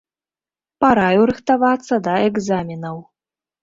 Параіў рыхтавацца да экзаменаў.